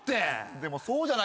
でもそうじゃないですか。